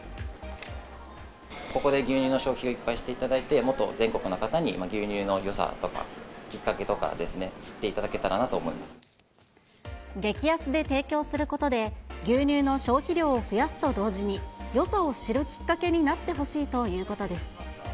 ここで牛乳の消費をいっぱいしていただいて、もっと全国の方に牛乳のよさとかきっかけとかですね、知っていた激安で提供することで、牛乳の消費量を増やすと同時に、よさを知るきっかけになってほしいということです。